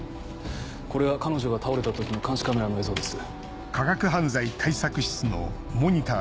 これは彼女が倒れた時の監視カメラの映像です。